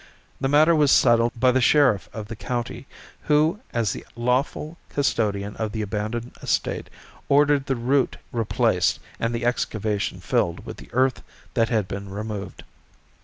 The matter was settled by the sheriff of the county, who as the lawful custodian of the abandoned estate ordered the root replaced and the excavation filled with the earth that had been removed.